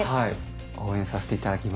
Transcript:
応援させて頂きます。